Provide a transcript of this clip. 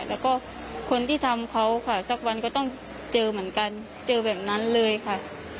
แล้วก็คนที่ทำเขาค่ะสักวันก็ต้องเจอเหมือนกันเจอแบบนั้นเลยค่ะ